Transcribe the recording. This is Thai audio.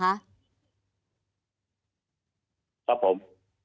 ครับผม